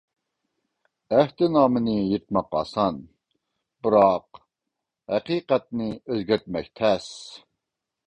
ئەھدىنامىنى يىرتماق ئاسان، بىراق ھەقىقەتنى ئۆزگەرتمەك تەس.